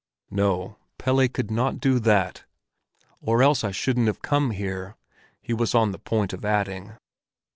No, Pelle could not do that—"or else I shouldn't have come here," he was on the point of adding.